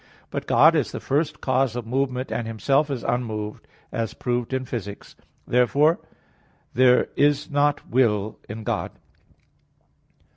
But God is the first cause of movement, and Himself is unmoved, as proved in Phys. viii, 49. Therefore there is not will in God.